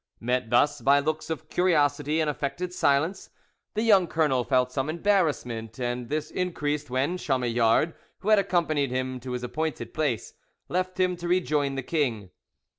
Met thus by looks of curiosity and affected silence, the young colonel felt some embarrassment, and this increased when Chamillard, who had accompanied him to his appointed place, left him to rejoin the king.